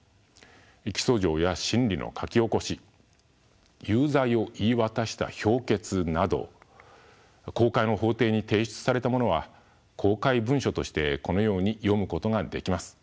起訴状や審理の書き起こし有罪を言い渡した評決など公開の法廷に提出されたものは公開文書としてこのように読むことができます。